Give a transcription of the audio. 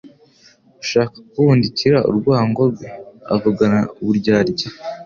Ushaka kubundikira urwango rwe avugana uburyarya